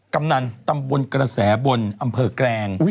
กำนันตำบลกระแสบนอำเภอแกลง